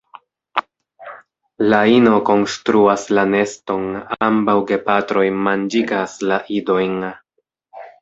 La ino konstruas la neston; ambaŭ gepatroj manĝigas la idojn.